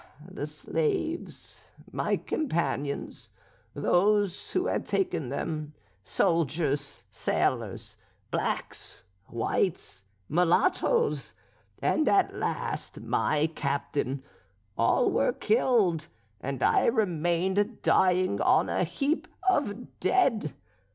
The slaves, my companions, those who had taken them, soldiers, sailors, blacks, whites, mulattoes, and at last my captain, all were killed, and I remained dying on a heap of dead.